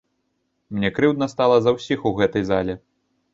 Мне крыўдна стала за ўсіх у гэтай зале.